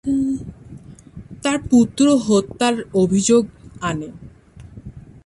তার পুত্র হত্যার অভিযোগ আনে।